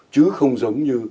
chứ không giống như